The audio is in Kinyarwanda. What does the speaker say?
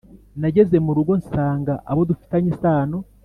nageze murugo nsanga abo dufitanye isano